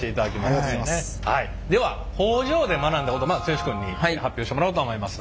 では工場で学んだこと剛君に発表してもらおうと思います。